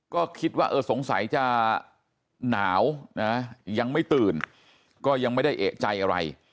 ก็คิดว่าเออสงสัยจะหนาวนะยังไม่ตื่นก็ยังไม่ได้เอกใจอะไร